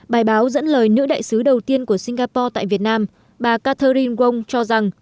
bài báo dẫn lời nữ đại sứ đầu tiên của singapore tại việt nam bà catherine wang cho rằng